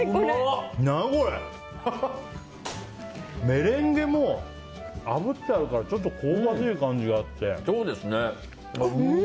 メレンゲもあぶってあるからちょっと香ばしい感じがあって。